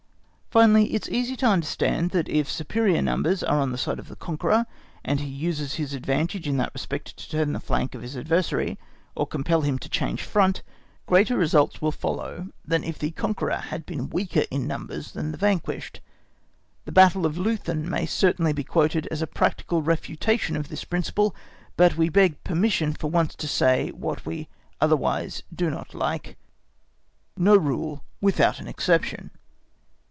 Finally it is easy to understand that if superior numbers are on the side of the conqueror, and he uses his advantage in that respect to turn the flank of his adversary, or compel him to change front, greater results will follow than if the conqueror had been weaker in numbers than the vanquished. The battle of Leuthen may certainly be quoted as a practical refutation of this principle, but we beg permission for once to say what we otherwise do not like, _no rule without an exception.